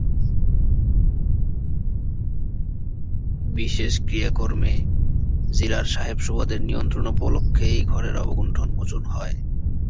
বিশেষ ক্রিয়াকর্মে জিলার সাহেবসুবাদের নিমন্ত্রণোপলক্ষে এই ঘরের অবগুণ্ঠন মোচন হয়।